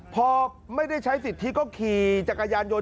พอไม่ได้ใช้สิทธิก็ขี่จักรยานยนต